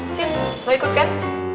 sin mau ikut kan